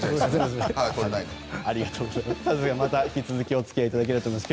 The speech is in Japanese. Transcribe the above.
また引き続きお付き合いいただけたらと思います。